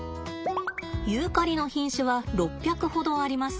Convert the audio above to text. ユーカリの品種は６００ほどあります。